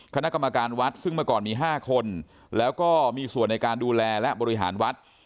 คณะกรรมการวัดซึ่งเมื่อก่อนมี๕คนแล้วก็มีส่วนในการดูแลและบริหารวัด